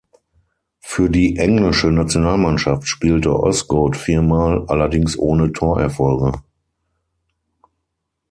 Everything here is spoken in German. Für die englische Nationalmannschaft spielte Osgood viermal, allerdings ohne Torerfolge.